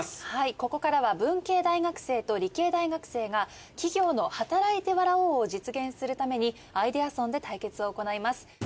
ここからは文系大学生と理系大学生が企業の「はたらいて、笑おう。」を実現するためにアイデアソンで対決を行います。